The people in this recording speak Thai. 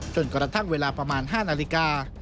จนกระทั่งเวลาประมาณ๕นาฬิกา